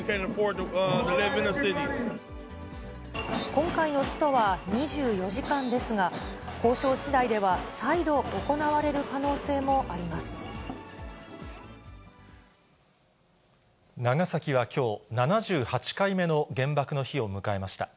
今回のストは２４時間ですが、交渉しだいでは、再度行われる可長崎はきょう、７８回目の原爆の日を迎えました。